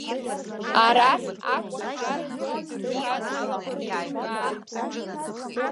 Арахь акәашараз дыршазшәа деиҿкаан.